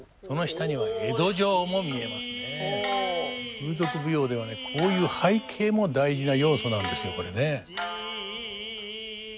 風俗舞踊ではねこういう背景も大事な要素なんですよこれね。